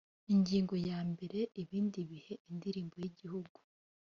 ingingo ya mbere ibindi bihe indirimbo y igihugu